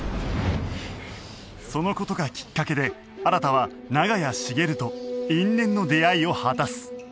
その事がきっかけで新は長屋茂と因縁の出会いを果たす